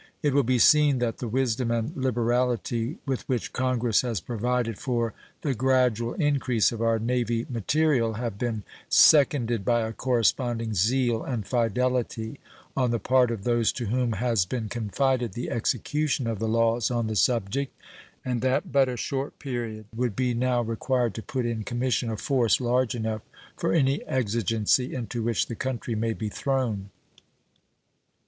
It will be seen that the wisdom and liberality with which Congress has provided for the gradual increase of our navy material have been seconded by a corresponding zeal and fidelity on the part of those to whom has been confided the execution of the laws on the subject, and that but a short period would be now required to put in commission a force large enough for any exigency into which the country may be thrown.